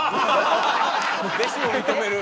弟子も認める。